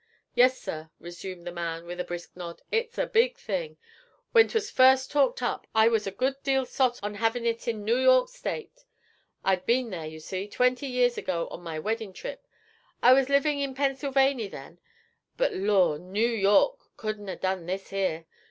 'Yes, sir,' resumed the man, with a brisk nod, 'it's a big thing! When 'twas first talked up I was a good deal sot on havin' it in Noo York State. I'd been there, ye see, twenty years ago on my weddin' trip; I was livin' in Pennsylvany then. But, Lor! Noo York couldn't 'a' done this here!